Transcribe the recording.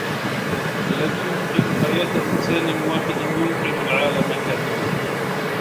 الذي ينقذ حياة إنسان واحد ينقذ العالم كاملا.